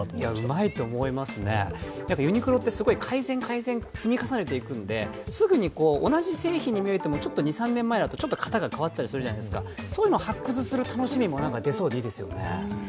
うまいと思いますね、ユニクロってすごい改善、改善、積み重ねていくのですぐに同じ製品に見えても２３年前と比べてちょっと型が違うじゃないですか、そういうのを発掘する楽しみも出そうでいいですよね。